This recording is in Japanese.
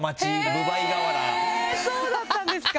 そうだったんですか。